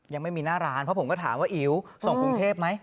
ยังไม่มีหน้าร้านเพราะผมก็ถามว่าอิ๋วส่งกรุงเทพไหม